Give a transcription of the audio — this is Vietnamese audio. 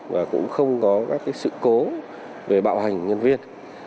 và cũng không có các sự cố về bạo hành nhân viên